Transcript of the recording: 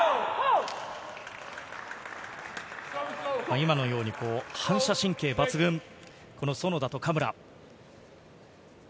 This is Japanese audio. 今のように反射神経が抜群の園田と嘉村。